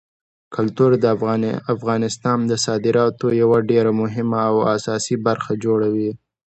کلتور د افغانستان د صادراتو یوه ډېره مهمه او اساسي برخه جوړوي.